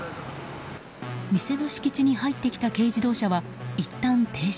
店の敷地に入ってきた軽自動車はいったん停車。